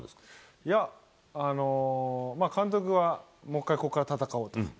いや、監督はもう一回ここから戦おうって。